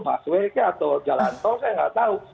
busway atau jalan tol saya nggak tahu